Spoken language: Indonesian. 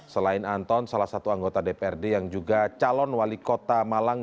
selain anton salah satu anggota dprd yang juga calon wali kota malang